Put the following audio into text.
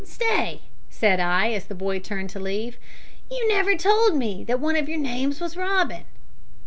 "Stay," said I, as the boy turned to leave, "you never told me that one of your names was Robin."